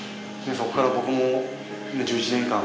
そこから僕も１１年間